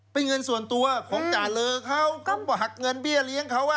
เป็นเงินส่วนตัวของจาเลอเขาก็หักเงินเบี้ยเลี้ยงเขา